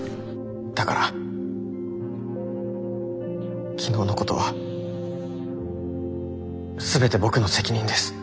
だから昨日のことは全て僕の責任です。